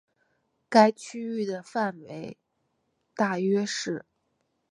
该区域的范围大约是。